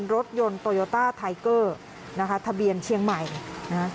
รถยนต์โตโยต้าไทเกอร์นะคะทะเบียนเชียงใหม่นะคะ